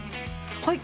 はい。